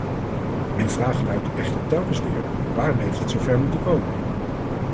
Mijn vraag luidt echter telkens weer: waarom heeft het zover moeten komen?